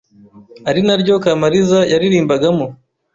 ari naryo Kamaliza yaririmbagamo